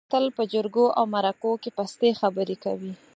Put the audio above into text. تل په جرګو او مرکو کې پستې خبرې کوي.